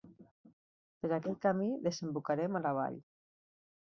Per aquest camí desembocarem a la vall.